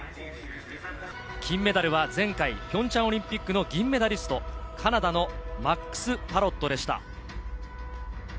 金メダルは前回ピョンチャンオリンピックの銀メダリスト、カナダのマックス・パロットでした。